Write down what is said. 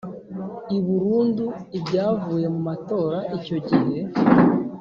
Iburundu ibyavuye mu matora Icyo gihe.